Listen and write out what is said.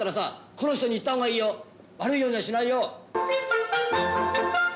この人に言ったった方がいいよ悪いようにはしないよ。